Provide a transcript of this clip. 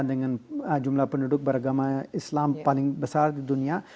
dengan jumlah penduduk beragama islam paling besar di dunia